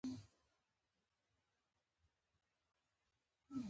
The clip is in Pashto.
مېرمن نېکبخته د شېخ لور وه.